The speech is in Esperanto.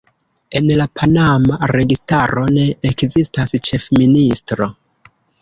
En la panama registaro ne ekzistas ĉefministro.